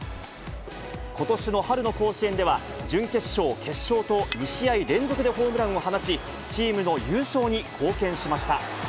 ことしの春の甲子園では、準決勝、決勝と２試合連続でホームランを放ち、チームの優勝に貢献しました。